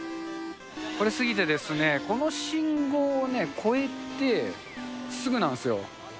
これ、過ぎてですね、この信号を越えてすぐなんですよ。